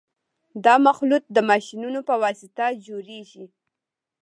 دا مخلوط د ماشینونو په واسطه جوړیږي